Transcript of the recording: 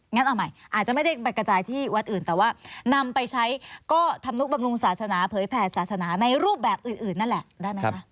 เอาใหม่อาจจะไม่ได้ไปกระจายที่วัดอื่นแต่ว่านำไปใช้ก็ธรรมนุบำรุงศาสนาเผยแผ่ศาสนาในรูปแบบอื่นนั่นแหละได้ไหมคะ